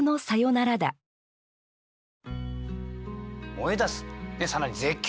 「燃え出す」更に「絶叫」。